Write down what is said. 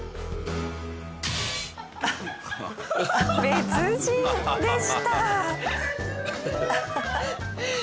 別人でした。